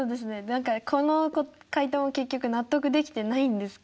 何かこの回答も結局納得できてないんですけど。